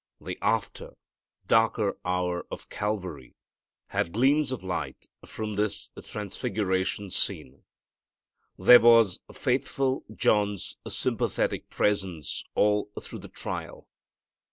The after, darker hour of Calvary had gleams of light from this transfiguration scene. There was faithful John's sympathetic presence all through the trial.